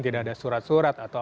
tidak ada surat surat